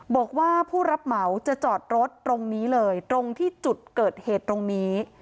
บอกว่าผู้รับเหมาจะจอดรถตรงนี้เลยตรงที่จุดเกิดเหตุตรงนี้